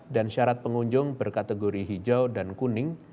dan syarat pengunjung berkategori hijau dan kuning